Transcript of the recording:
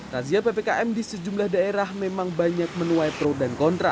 razia ppkm di sejumlah daerah memang banyak menuai pro dan kontra